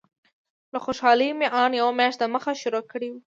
له خوشالۍ مې ان یوه میاشت دمخه شروع کړې وه.